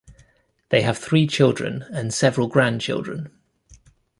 They have three children and several grandchildren.